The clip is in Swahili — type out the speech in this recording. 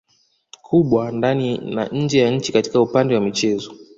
kubwa ndani na nje ya nchi katika upande wa michezo